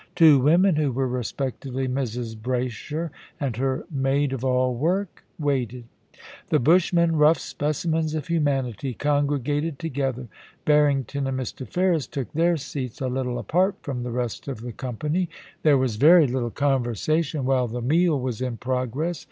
Two women, who were respectively Mrs. Braysher and her maid of all work, waited. The bushmen — rough specimens of humanity — congre gated together. Barrington and Mr. Ferris took their seats a little apart from the rest of the company. There was very little conversation while the meal was in progress.